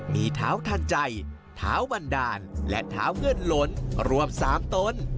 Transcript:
มีเท้าทันใจเท้าบันดาลและเท้าเงินหล่นรวม๓ตน